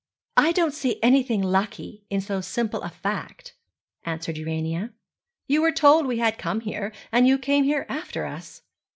'I don't see anything lucky in so simple a fact,' answered Urania. 'You were told we had come here, and you came here after us.'